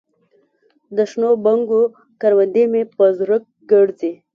دشنو بنګو کروندې مې په زړه ګرځي